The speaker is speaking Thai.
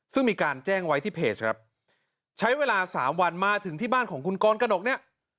ซึ่งมีการแจ้งไว้ที่เพจครับใช้เวลาสามวันมาถึงที่บ้านของคุณกรกนกเนี่ย